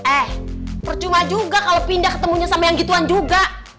eh percuma juga kalau pindah ketemunya sama yang gituan juga